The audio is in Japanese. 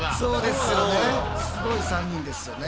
すごい３人ですよね。